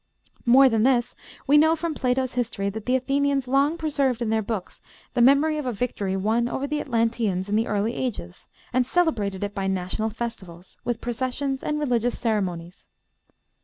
More than this, we know from Plato's history that the Athenians long preserved in their books the memory of a victory won over the Atlanteans in the early ages, and celebrated it by national festivals, with processions and religious ceremonies.